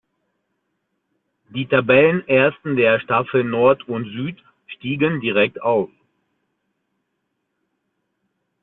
Die Tabellenersten der Staffeln Nord und Süd stiegen direkt auf.